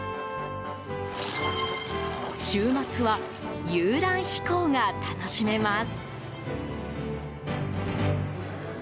週末は、遊覧飛行が楽しめます。